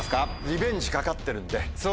リベンジ懸かってるんで。